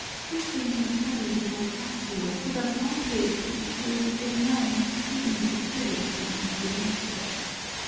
Crispin can study with old Tasio, who does not whip and who is a good man, even if the curate does not believe so.